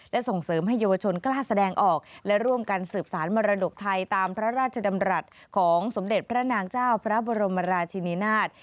และส่งเสริมให้เยาวชนกล้าแสดงออกและร่วมกันสืบสารมรดกไทยตามพระราชดำรัฐของสมเด็จพระนางเจ้าพระบรมราชินินาศ